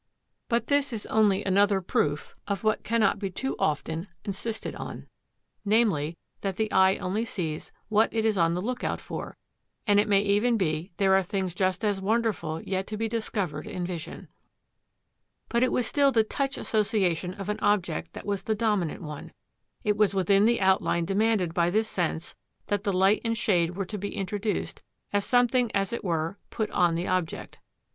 But this is only another proof of what cannot be too often insisted on, namely that the eye only sees what it is on the look out for, and it may even be there are things just as wonderful yet to be discovered in vision. But it was still the touch association of an object that was the dominant one; it was within the outline demanded by this sense that the light and shade were to be introduced as something as it were put on the object.